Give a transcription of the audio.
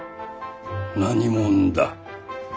何者だ？